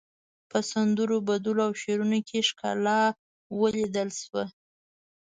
په سندرو، بدلو او شعرونو کې ښکلا وليدل شوه.